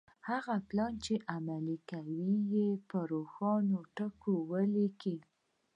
هغه پلان چې عملي کوئ يې په روښانه ټکو وليکئ.